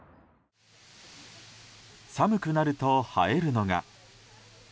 寒くなると映えるのが。